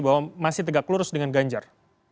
bahwa masih tegak lurus dengan ganjar